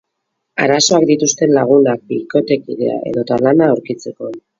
Arazoak dituzte lagunak, bikotekidea edota lana aurkitzeko.